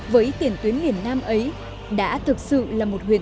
với tiền tuyến miền nam ấy